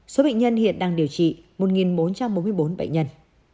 số bệnh nhân hiện đang điều trị một bốn trăm bốn mươi bốn bệnh nhân